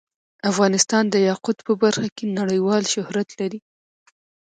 افغانستان د یاقوت په برخه کې نړیوال شهرت لري.